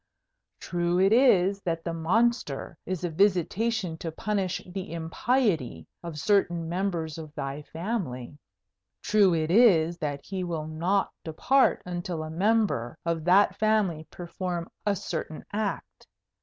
True it is that the Monster is a visitation to punish the impiety of certain members of thy family. True it is that he will not depart till a member of that family perform a certain act.